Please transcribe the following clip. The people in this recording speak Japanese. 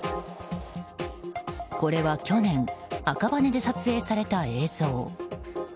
これは去年、赤羽で撮影された映像。